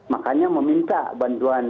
makanya meminta bantuan